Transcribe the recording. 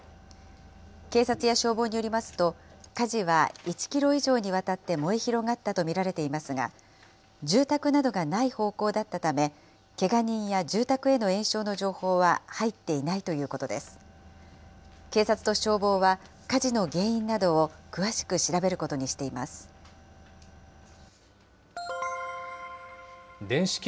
警察や消防によりますと、火事は１キロ以上にわたって燃え広がったと見られていますが、住宅などがない方向だったため、けが人や住宅への延焼の情報は入っていないということです。